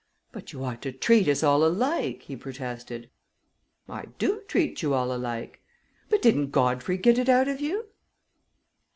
"But you ought to treat us all alike," he protested. "I do treat you all alike." "But didn't Godfrey get it out of you?"